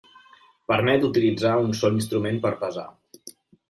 Permet utilitzar un sol instrument per pesar.